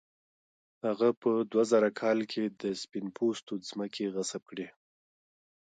هغه په دوه زره کال کې د سپین پوستو ځمکې غصب کړې.